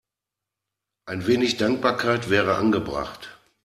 Ein wenig Dankbarkeit wäre angebracht.